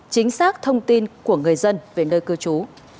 chính xác thông tin của người dân về nơi cư trú